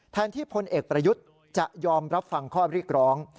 แทนที่พลเอกประยุทธ์จะยอมรับฟังข้อเรียกร้อง